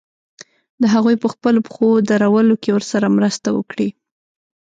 د هغوی په خپلو پښو درولو کې ورسره مرسته وکړي.